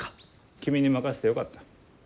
君に任せてよかった。